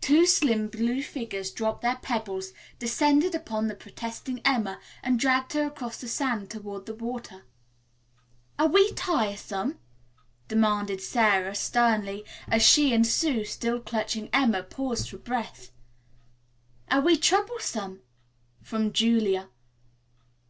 Two slim blue figures dropped their pebbles, descended upon the protesting Emma, and dragged her across the sand toward the water. "Are we tiresome?" demanded Sara sternly, as she and Sue, still clutching Emma, paused for breath. "Are we troublesome?" from Julia.